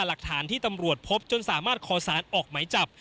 หลักฐานที่ตำรวจพบจนสามารถขอสารออกหมายจับ